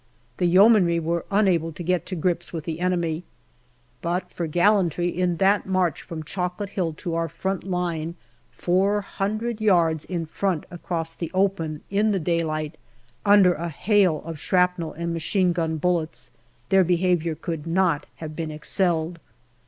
The Yeomanry were unable to get to grips with the enemy; but for gallantry in that march from Chocolate Hill to our front line, four hundred yards in front across the open in the daylight, under a hail of shrapnel and machine gun bullets, their behaviour could not have been excelled.